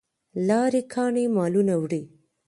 لاری ګانې مالونه وړي.